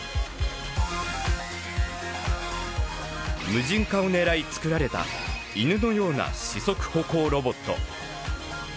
無人化をねらい作られた犬のような四足歩行ロボット。